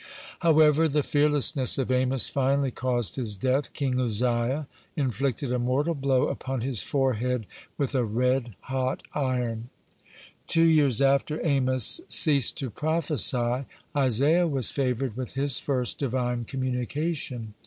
(27) However, the fearlessness of Amos finally caused his death. King Uzziah inflicted a mortal blow upon his forehead with a red hot iron. (28) Two years after Amos ceased to prophesy, Isaiah was favored with his first Divine communication.